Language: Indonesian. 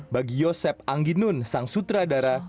bagi yosep anginun sang sutradara